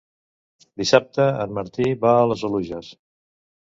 Dissabte en Martí va a les Oluges.